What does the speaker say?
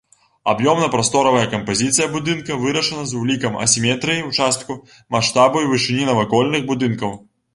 Аб'ёмна-прасторавая кампазіцыя будынка вырашана з улікам асіметрыі ўчастку, маштабу і вышыні навакольных будынкаў.